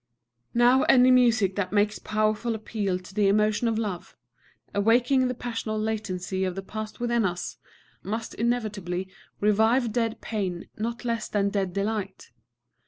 Now any music that makes powerful appeal to the emotion of love, awakening the passional latency of the past within us, must inevitably revive dead pain not less than dead delight.